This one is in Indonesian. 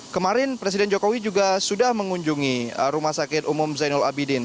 kemarin presiden jokowi juga sudah mengunjungi rumah sakit umum zainul abidin